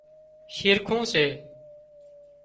شِرکُون سي